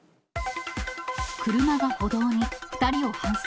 車が歩道に、２人を搬送。